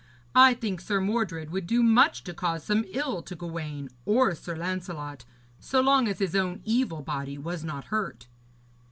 I think Sir Mordred would do much to cause some ill to Gawaine or Sir Lancelot, so long as his own evil body was not hurt.'